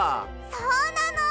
そうなの！